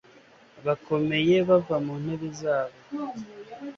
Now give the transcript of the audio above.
bakomeye bava ku ntebe zabo